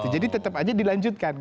jadi tetap saja dilanjutkan